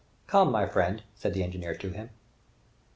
"Come, my friend," said the engineer to him.